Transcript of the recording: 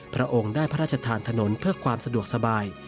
พระองค์ได้พระราชทานถนนเพื่อความสะดวกสบาย